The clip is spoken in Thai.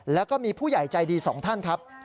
แล้วก็มีผู้ใหญ่ใจดีสองท่านครับ